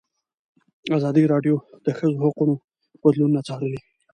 ازادي راډیو د د ښځو حقونه بدلونونه څارلي.